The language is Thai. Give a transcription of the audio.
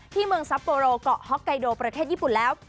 เมืองซัปโปโรเกาะฮ็อกไกโดประเทศญี่ปุ่นแล้ว